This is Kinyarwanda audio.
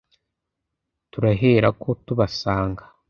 turaherako tubasanga